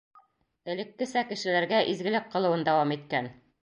Элеккесә кешеләргә изгелек ҡылыуын дауам иткән.